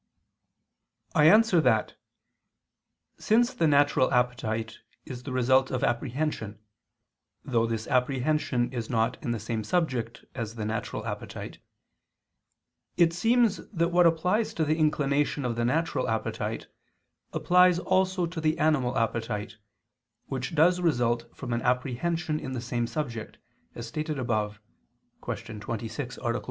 I answer that, Since the natural appetite is the result of apprehension (though this apprehension is not in the same subject as the natural appetite), it seems that what applies to the inclination of the natural appetite, applies also to the animal appetite, which does result from an apprehension in the same subject, as stated above (Q. 26, A. 1).